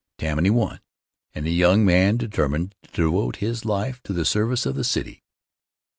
Tammany won, and the young man determined to devote his life to the service of the city.